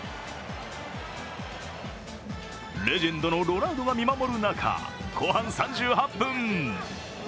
レジェンドのロナウドが見守る中、後半３８分。